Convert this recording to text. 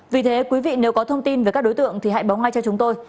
vì thế quý vị nếu có thông tin về các đối tượng thì hãy bóng ngay cho chúng tôi